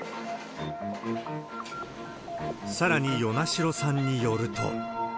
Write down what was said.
さらに与那城さんによると。